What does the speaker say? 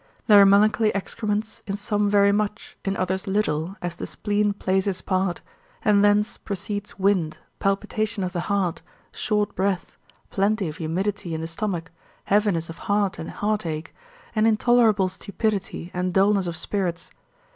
Their melancholy excrements in some very much, in others little, as the spleen plays his part, and thence proceeds wind, palpitation of the heart, short breath, plenty of humidity in the stomach, heaviness of heart and heartache, and intolerable stupidity and dullness of spirits.